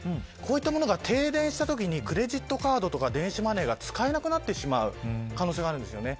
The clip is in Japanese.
こういったものが停電したときにクレジットカードとか電子マネーが使えなくなる可能性があるんです。